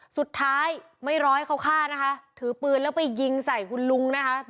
สุดท้ายไม่รอให้เขาฆ่านะคะถือปืนแล้วไปยิงใส่คุณลุงนะคะ